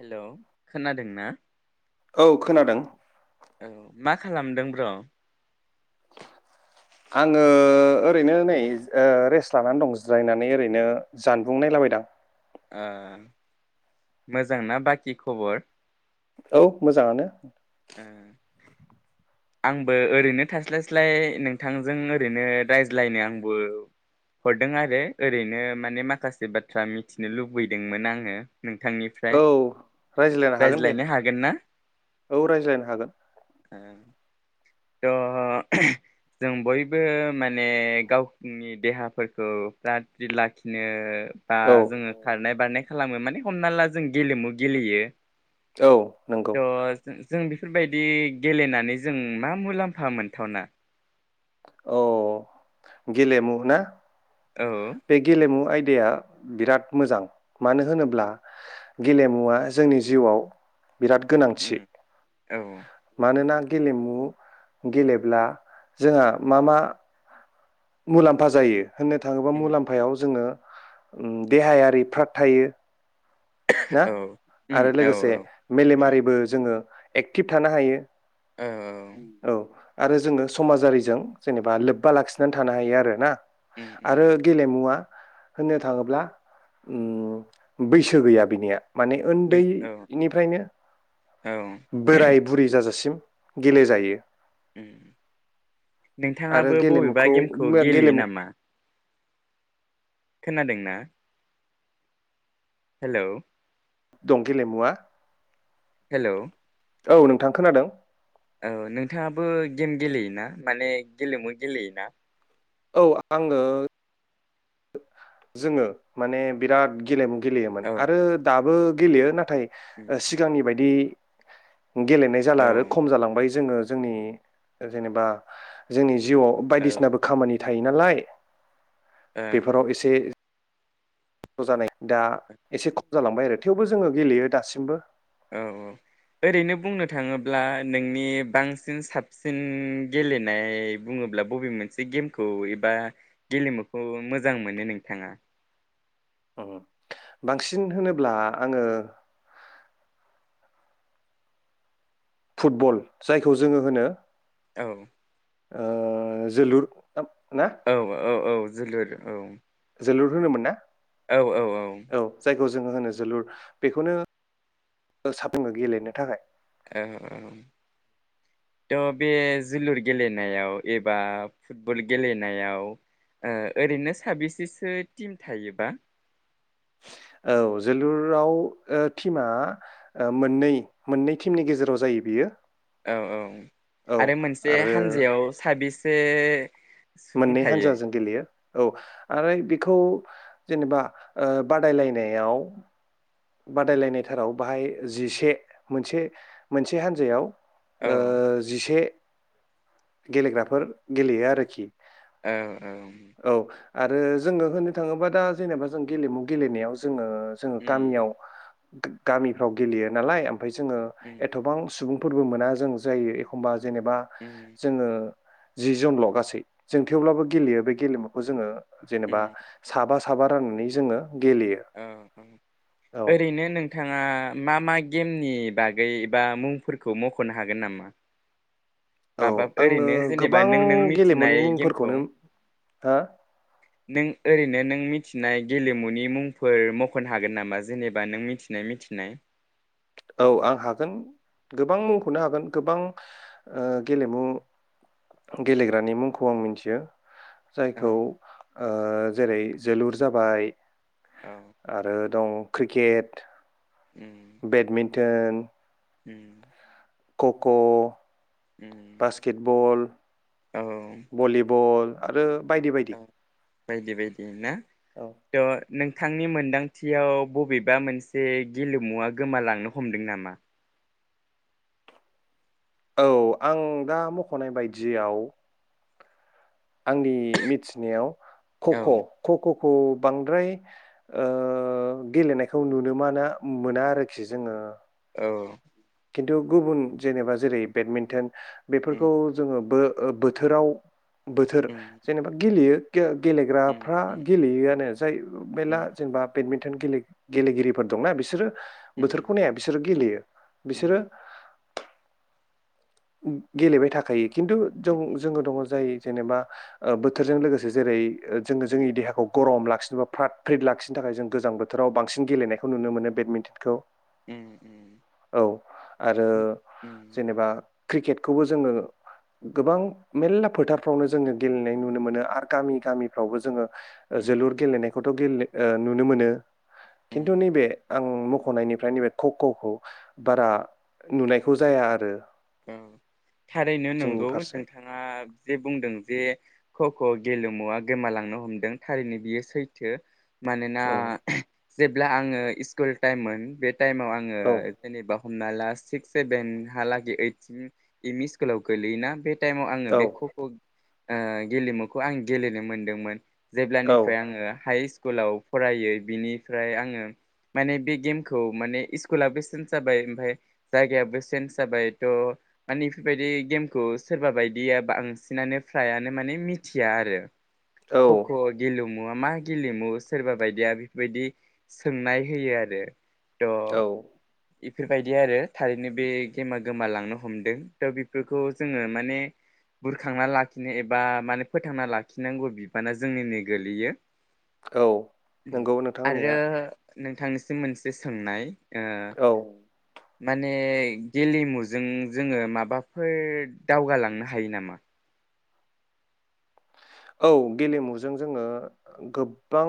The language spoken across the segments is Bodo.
हेल' खोनादों ना? औ खोनादों औ मा खालामदों ब्र'? आङो ओरैनो नै ओ रेस्ट लानानै दं जिरायनानै ओरैनो जानबुं नायलाबायदां। ओ मोजांना बाकि खबर? औ मोजाङानो। उम आंबो ओरैनो थास्लायस्लाय नोंथांजों ओरैनो रायज्लायनो आंबो हरदों आरो ओरैनो माने माखासे बाथ्रा मिथिनो लुबैदोंमोन आङो। नोंथांनिफ्राय औ रायज्लायनो हागोन ना? ज्लायनो हागोन थ' जों बयबो माने गावनि देहाफोरखौ फ्राद फ्रिद लाखिनो बा औ जोङो खारनाय बारनाय खालामो माने हमना ला जों गेलेमु गेलेयो। औ थ' नंगौ। जों जों बेफोरबायदि गेलेनानै जों मा मुलाम्फा मोनथावना? औ गेलेमु ना? औ बे गेलेमु आय दाया बिराद मोजां मानो होनोब्ला गेलेमुवा जोंनि जिउआव बिराद गोनांथि। औ मानोना बे गेलेमु गेलेब्ला जोंहा मा मा मुलाम्फा जायो होननो थाङोब्ला उम मुलाम्फायाव जोङो देहायारि फ्रात थायो। ना? औ आरो औ लोगोसे मेलेमारिबो जोङो - एक्टिभ थानो हायो। औ औ आरो जोङो समाजारिजों जेनेबा लोब्बा लाखिनानै थानो हायो आरो ना उम उम आरो उम गेलेमुवआ होननो थाङोब्ला बैसो गैया बिनिया माने बै औ उन्दैनिफ्रायनो औ बोराय बुरै जाजासिम गेलेेजायो उम आरो नोंथाङाबो बबेबा गेलेमुखौ गेमखौ गेलेयो गेलेमु नामा खोनादोंना हेल' दं गेलेमुआ हेल' औ नोंथां खोनादों औ नोंथाङाबो गेम गेलेयोना माने गेलेमु गेलेयोना औ आङो जोङो माने बिराद गेलेमु गेलेयोमोन औ आरो दाबो गेलेयो ना उम नाथाय सिगांनि बायदि बि गेलेनाय औ जाला आरो खम जालांबाय जोङो जोंनि जेनेबा जोंनि जिउआव औ बायदिसिनाबो खामानि थायो नालाय ओं बेफोराव इसे खस्थ' जानाय दा एसे खम जालांबाय आरो थेवबो जोङो गेलेयो दासिमबो। औ औ ओरैनो बुंनो थाङोब्ला नोंनि बांसिन साबसिन गेलेनाय बुङोब्ला बबे मोनसे गेमखौ एबा गेलेमुखौ मोजां मोनो नोंथाङा? अ बांसिन होनोब्ला आङो फुटबल जायखौ जोङो होनो औ ओ जोलुर ना? औ औ औ जोलुर औ जोलुर होनोमोन ना औ औ औ जायखौ जोङो होनो जोलुर बेखौनो साफुङो गेलेनो थाखाय औ थ' बे जोलुर गेलेनायाव एबा फुटबल गेलेनायाव ओरैनो साबेसेसो टिम थायोबा? औ जोलुराव ओ टिमा ओ मोननै मोननै टिमनि गेजेराव जायो बियो। औ औ औ आरो मोनसे आरो हानजायाव साबेस से मोननै हान्जाजों गेलेयो। औ आरो बेखौ जेनेबा ओ बादायलायनायाव बादायलायनाय थाराव बाहाय जिसे मोनसे मोनसे हान्जायाव। औ ओ जिसे गेलेग्राफोर गेलेयो आरोखि औ औ औ आरो जोङो होननो थाङोबा दा जेनेबा जों गेलेमु गेलेनायाव जोङो जोङो उम गामियाव गामिफ्राव गेलेयो नालाय ओम फ्राय जोङो उम एथ'बां सुबुं फोरबो मोना जों जायो एखम्बा जेनेबा उम जोङो जि जनल' गासै जों थेवब्लाबो गेलेयो बे गेलेमुखौ जोङो जेनेबा उम साबा साबा राननानै जोङो गेलेयो। औ औ औ ओरैनो नों थाङा मा मा गेमनि बागै एबा मुंफोरखौ मख'नो हागोन नामा? औ माबा आङो ओरैनो जेनेबा गोबां नों नों मिथिनाय गेलेमुनि गेमखौ मुंफोरखौनो हा नों ओरैनो नों मिथिनाय गेलेमुनि मुंफोर मख'नो हागोन नामा? जेनेबा नों मिथिनाय मिथिनाय औ आं हागोन गोबां मुंखौनो हागोन गोबां गेलेमु गेलेग्रानि मुंखौ आं मिथियो। औ जायखौ ओ जेरै जोलुर जाबाय औ आरो दं क्रिकेट उम बेडमिन्टन उम खख' उम बासकेटबल औ बल आरो बायदि बायदि। औ बायदि बायदि ना [unintelligible] नोंथांनि मोनदांथियाव बबेबा मोनसे गेलेमुवा गोमालांनो हमदों नामा? औ आं दा मख'नाय बायदियाव आंनि मिथिनायाव औ खख' खख'खौ बांद्राय गेलेनायखौ नुनो मोना मोना आरोखि जोङो। औ खिन्थु गुबुन जेनेबा जेरै बेडमिन्टन बेफोरखौ उम जोङो बो बोथोराव बोथोर उम जेनेबा गेलेयो गे उम गेलेग्राफ्रा उम गेलेयोआनो जाय बेना जेनेबा बेदमिनटन गेले गेलेगिरिफोर दंना बिसोरो बोथोरखौ नाया बिसोरो गेलेयो। बिसोरो- गेलेबाय थाखायो खिन्थु जों जोङो दङ जाय जेनेबा बोथोरजों लोगोसे जेरै जोङो जोंनि देहाखौ गरम लाखिनोबा फ्राद फ्रिद लाखिनो थाखाय जों गोजां बोथोराव बांसिन गेलेनायखौ नुनो मोनो बेदमिनटन खौ। औ आरो जेनेबा क्रिकेटखौबो जोङो गोबां मेरला फोथारफ्रावनो जोङो गेलेनाय नुनो मोनो आरो गामि गामिफ्रावबो जोङो जोलुर गेलेनायखौथ' नुनो मोनो खिनथु नैबे आं मख'नाय निफ्राय नैबे ख'ख'खौ बारा नुनायखौ जाया आरो। औ थारैनो जोंनि नंगौ फारसे नोंथाङा जे बुंदों जे ख ख' गेलेमुया गोमालांनो हमदों थारैनो बियो सैथो। मानोना उम जेब्ला आङो स्कुल टाइममोन बे टाइमाव आङो औ जेनेबा हमना ला सिक्स सेभेन हलागै ओइद एम इ स्कुलाव गोलैयोना बे टाइमाव आङो बे ख'ख' गेलेमुखौ आं गेलेनो मोनदोंमोन। औ जेब्लानिफ्राय आङो हाइस स्कुलाव फरायो बिनिफ्राय आङो माने बे गेमखौ माने स्कुलाबो सेनज जाबाय ओमफाय जायगायाबो सेनज जाबाय थ' मानि बेफोरबायदि गेमखौ सोरबा बायदिया बांसिनानो फ्रायानो माने मिथिया आरो औ खख' गेलुं मुङामा गेलेमु सोरबा बायदिया बेफोरबायदि सोंनाय होयो आरो द' औ बेफोरबायदि आरो थारैनो बे गेमा गोमालांनो हमदों औ नंगौ नोंथां आरो होननाया नोंथांनिसिम मोनसे सोंनाय ओ औ माने गेलज मो जों जोङो माबाफोर दावगालांनो हायो नामा औ गेलेमुजों जोङो गोबां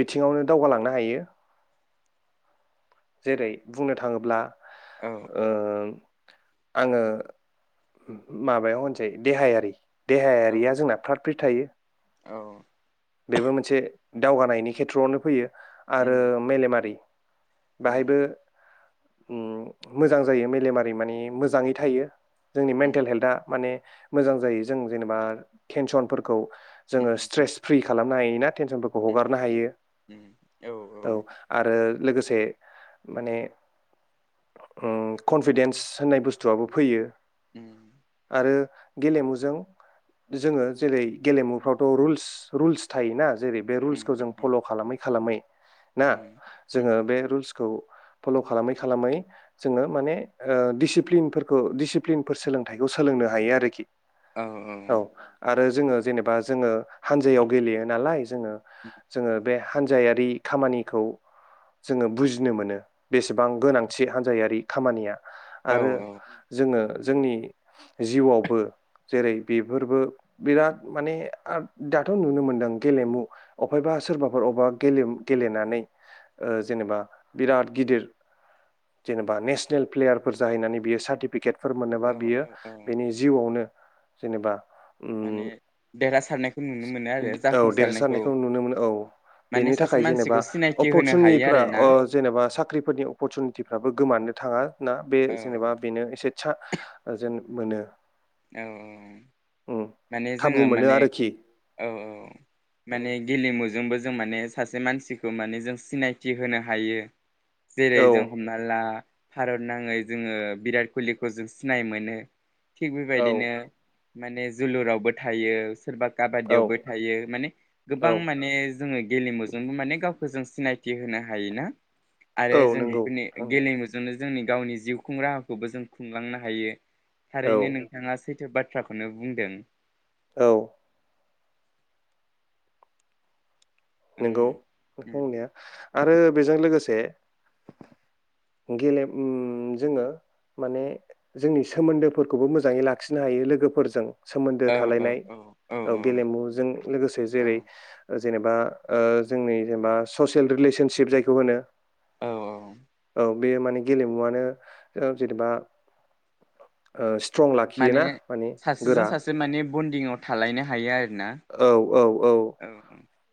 बिथिङावनो दावगालांनो हायो जेरै बुंनो थाङोब्ला औ ओं आङो माबायाव होनसै देहायारि औ देहायारिया जोंना फ्राद फ्रिद थायो औ बेबो मोनसे दावगानायनि आरो उम मेलेमारि बाहायबो उम मोजां जायो मेलेमारि माने मोजाङै थायो जोंनि उम मेन्टेल हेल्था माने मोजां जायो जों जेनेबा टेनसनफोरखौ जोङो उम स्ट्रेस फ्रि खालामनो हायोना टेनसनफोरखौ उम हगारनो हायो औ आरो लोगोसे माने कनफिदेन्स होननाय बुस्थुवाबो फैयो उम आरो गेलेमुजों जोङो जेरै गेलेमुफ्रावथ' रुल्स रुल्स थायोना जेरै बे उम रुल्सखौ जों उम फल' खालामै खालामै ना उम उम जोङो बे रुल्सखौ फल' खालामै खालामै जोङो माने दिडसिप्लिनफोरखौ डिसिप्लिनफोर सोलोंथाइखौ सोलोंनो हायो आरोखि औ औ आरो जोङो जेनेबा जोङो हानजायाव गोेलैयो नालाय जोङो जोङो बे हान्जायारि खामानिखौ जोङो बुजिनो मोनो बेसेबां गोनांथि हान्जायारि खामानिया औ आरो जोङो जोंनि जिउआवबो जेरै बेफोरबो बिराद माने दाथ' नुनो मोन्दों गेलेमु अबहायबा सोरबाफोर अबेबाे गेलेनानै जेनेबा बिराद गिदिर जेनेबा नेसनेल प्लेयारफोर जाहैनानै बियो सार्टिफिकेट फोर मोनोबा औ औ बियो औ औ बेनि जिउआवनो जेनेबा उम माने देरहासारनायखौ नुनो मोनो आरो औ जाफुंसारनायखौ देरसारनायखौ नुनो मोनो औ माने बेनि सासे थाखाय जेनेबा मानसिखौ सिनायथि होनो हायो अपरसुनिफ्रा आरोना जेनेबा साख्रिफोरनि अपरचुनिटिफ्राबो गोमानो थाङा ना बे औ जेनेबा बेनो एसेसा जेन मोनो औ औ उम माने खाबु जोङो मोनो माने आरोखि औ औ उम माने गेलेमुजों जों जों माने सासे मानसिखौ माने जों सिनायथि होनो हायो जेरै औ जों हमना ला भारत नाङै जोङो बिराट कलिखौ जों सिनाय मोनो थिग बे औ बायदिनो माने जोलुरावबो थायो सोरबा औ काबादियावबो थायो माने गोबां औ माने जोङो गेलेमुजोंबो माने गाव फोर जों सिनायथि होनो हायोना आरो औ जों नंगौ बेफोरनि थांनाया गेलेमुजोंनो जोंनि गावनि जिउ खुं राहाखौबो जों खुंलांनो हायो औ ओरैनो नोंथाङा सै जों बाथ्राखौनो बुंदों औ उम नंगौ नों उम बुंनाया आरो बेजों लोगोसे गेले उम जोङो माने जोंनि सोमोन्दोफोरखौबो मोजाङै लाखिनो हायो लोगोफोरजों सोमोन्दो औ औ थालायनाय औ औ गेलेमुजों लोगोसे औ जेरै जेनेबा जोंनि जेनेबा ससियेल रिलेसनसिप जायखौ होनो औ औ बे माने गेलेमुआनो जेनेबा ओ स्ट्रं लाखियोना माने गोरा बन्डिंआव थालायनो हायो आरो औ औ औ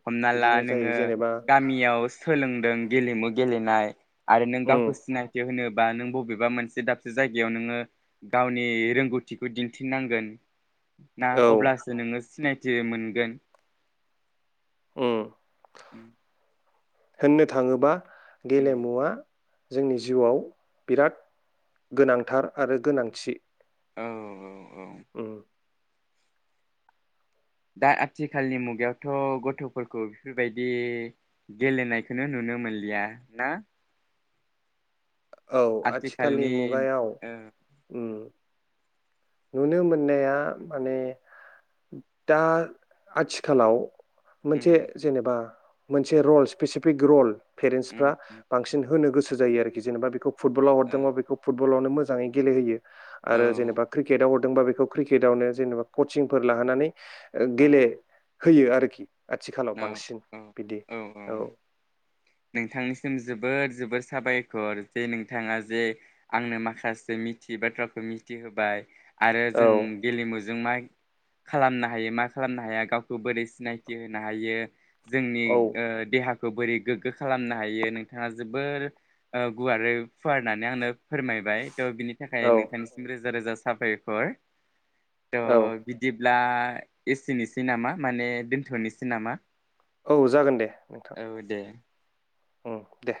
हमना ला बिदिनो जायो नोङो जेनेबा गामियाव सोलोंदों गेलेमु गेलेनाय आरो नों उम गावखौ सिनायथि होनो बा नों बबेबा मोनसे दाबसे जायगायाव नोङो गावनि रोंगौथिखौ दिन्थिनांगोन ना औ अब्लासो नोङो सिनायथि मोनगोन अ उम होननो थाङोबा उम गेलेमुवा जोंनि जिउआव बिराद गोनांथार आरो गोनांथि औ औ उम दा आथिखालनि मुगायावथ' गथ'फोरखौ बेफोरबायदि गेलेनायखोनो नुनो मोनलिया ना औ आथिखालनि मुगायाव ओ नुनो मोननाया माने दा आथिखालाव उम मोनसे जेनेबा मोनसे रल स्पेसिफिक रल उम पेरेन्टसफ्रा उम बांसिन होनो गोसो जायो आरोखि जेनेबा बेखौ फुटबलाव ओ हरदोंबा बेखौ फुटबलावनो मोन मोजाङै गेलेहोयो औ आरो जेनेबा हरदोंबा बेखौ क्रिकेटआवनो जेनेबा कचिंफोर लाहोनानै औ गेले होयो आरोखि आथिखालाव औ बांसिन औ बिदि औ औ नोंथांनिसिम जोबोद जोबोर साबायखर जे नोंथाङा जे आंनो माखासे मिथियै बाथ्राखौ मिथिहोबाय आरो औ जों गेलेमु जों मा खालामनो हायो मा खालामनो हाया गावखौ बोरै सिनायथि होनो हायो जोंनि औ देहाखौ खौ बोरै गोग्गो खालामनो हायो नोंथाङा जोबोर गुवारै फुवार होननानै आंनो फोरमायबाय थ' बिनि थाखाय औ नोंथांनिसिम रोजा रोजा साबायखर थ' औ बिदि बिदिब्ला एसिनिसै नामा माने दोनथ'नोसै सि नामा औ जागोन दे नोंथां। औ दे उम दे